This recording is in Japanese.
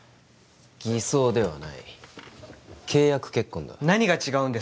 偽装ではない契約結婚だ何が違うんですか？